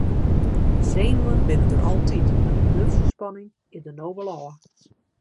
Senuwen binne der altyd mar de grutste spanning is der no wol ôf.